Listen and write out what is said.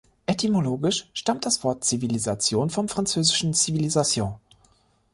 Etymologisch stammt das Wort "Zivilisation" vom französischen "civilisation".